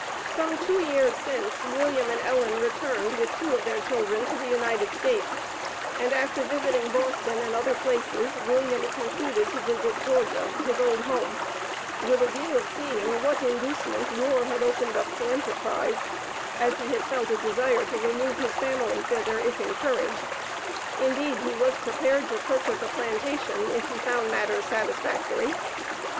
Some two years since William and Ellen returned with two of their children to the United States, and after visiting Boston and other places, William concluded to visit Georgia, his old home, with a view of seeing what inducement war had opened up to enterprise, as he had felt a desire to remove his family thither, if encouraged. Indeed he was prepared to purchase a plantation, if he found matters satisfactory.